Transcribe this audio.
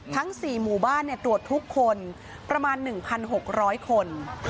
ทั้ง๔หมู่บ้านตรวจทุกคนประมาณ๑๖๐๐คน